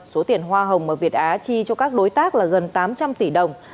số tiền hoa hồng mà việt á chi cho các đối tác là gần tám trăm linh tỷ đồng